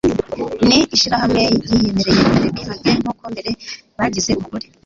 Ni ishirahamwe yiyemereye Debbie Maghee nk'uko mbere bagize umugore